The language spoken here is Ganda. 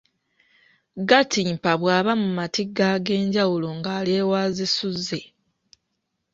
Gattimpa bw’aba mu matigga ag’enjawulo ng’ali ewa Zisuzze